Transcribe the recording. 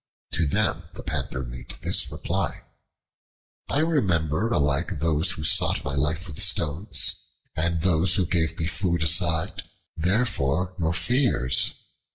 To them the Panther made this reply: "I remember alike those who sought my life with stones, and those who gave me food aside, therefore, your fears.